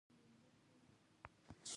نږدې اتلس زره پنځه سوه لنډۍ راټولې کړې دي.